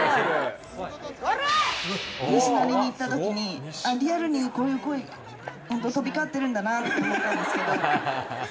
西成に行ったときに、リアルにこういう声、本当、飛び交ってるんだなと思ったんですけど。